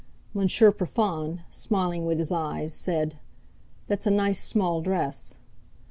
Monsieur Profond, smiling with his eyes, said: "That's a nice small dress!"